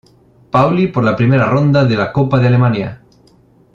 Pauli por la primera ronda de la Copa de Alemania.